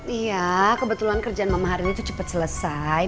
iya kebetulan kerjaan mama hari ini tuh cepet selesai